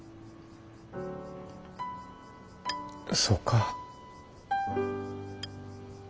そうか。